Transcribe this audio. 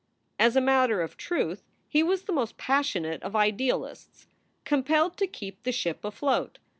As a matter of truth, he was the most passionate of ideal ists, compelled to keep the ship afloat.